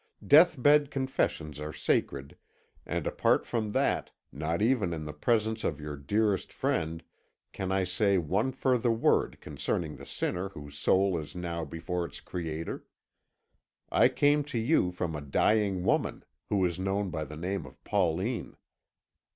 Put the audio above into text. Death bed confessions are sacred, and apart from that, not even in the presence of your dearest friend can I say one further word concerning the sinner whose soul is now before its Creator. I came to you from a dying woman, who is known by the name of Pauline."